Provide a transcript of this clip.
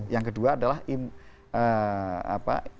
yang kedua adalah kita itu masih memiliki kekuatan